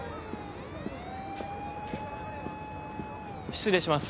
失礼します。